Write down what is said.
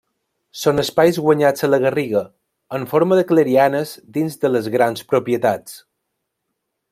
Són espais guanyats a la garriga, en forma de clarianes dins de les grans propietats.